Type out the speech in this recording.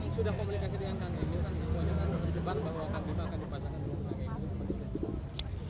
sudah komunikasi dengan kang emil akan dipasangkan ke jawa barat